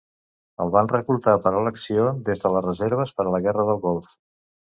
El van reclutar per a l'acció des de les reserves per a la Guerra del Golf.